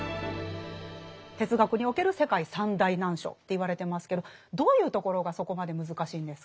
哲学における世界三大難書と言われてますけどどういうところがそこまで難しいんですか？